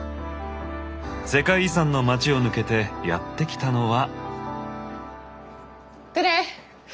世界遺産の街を抜けてやって来たのは。